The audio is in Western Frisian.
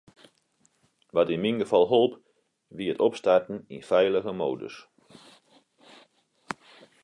Wat yn myn gefal holp, wie it opstarten yn feilige modus.